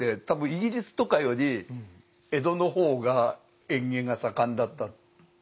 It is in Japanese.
多分イギリスとかより江戸の方が園芸が盛んだったっていう。